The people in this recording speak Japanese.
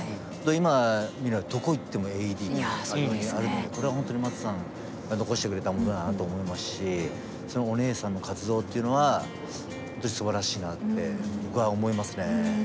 今どこ行ってもＡＥＤがあるのでこれは本当にマツさんが残してくれたものだなと思いますしそのお姉さんの活動っていうのは本当にすばらしいなって僕は思いますね。